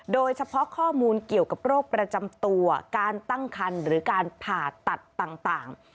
โดยเฉพาะข้อมูลเกี่ยวกับโรคประจำตัวการตั้งคันหรือการผ่าตัดต่าง